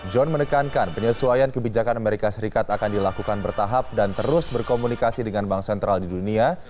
john menekankan penyesuaian kebijakan amerika serikat akan dilakukan bertahap dan terus berkomunikasi dengan bank sentral di dunia